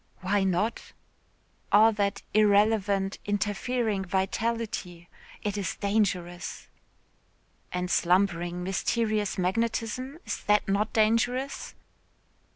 "Why not?" "All that irrelevant, interfering vitality. It is dangerous." "And slumbering, mysterious magnetism, is that not dangerous?"